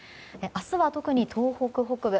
明日は特に東北北部